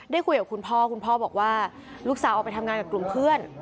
คุยกับคุณพ่อคุณพ่อบอกว่าลูกสาวออกไปทำงานกับกลุ่มเพื่อน